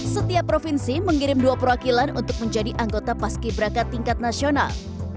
setiap provinsi mengirim dua perwakilan untuk menjadi anggota paski beraka tingkat nasional